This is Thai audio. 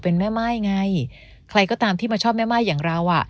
เป็นแม่ไหม้ไงใครก็ตามที่มาชอบแม่ไหม้อย่างเรา